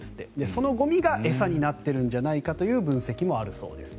そのゴミが餌になっているんじゃないかという分析もあるそうです。